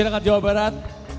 menurut pemirsa jawa barat